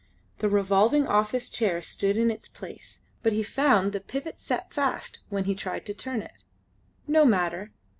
The revolving office chair stood in its place, but he found the pivot set fast when he tried to turn it. No matter.